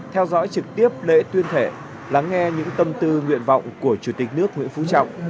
theo dõi trực tiếp lễ tuyên thệ lắng nghe những tâm tư nguyện vọng của chủ tịch nước nguyễn phú trọng